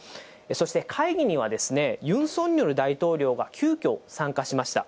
そして、会議にはユン・ソンニョル大統領が急きょ参加しました。